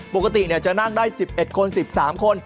ปกติจะนั่งได้๑๑คน๑๓คน